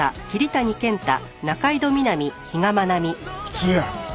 普通や。